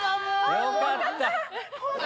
よかった！